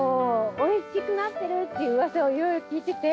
おいしくなってるっていう噂を色々聞いてて。